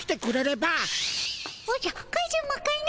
おじゃカズマかの？